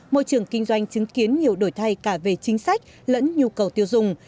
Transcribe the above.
môi trường kinh doanh chứng kiến nhiều đổi thay cả về chính sách lẫn nhu cầu tiêu dùng